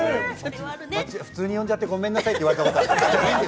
普通に呼んじゃってごめんなさいって言われたことある。